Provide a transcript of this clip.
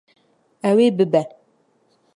Ew ê bibe.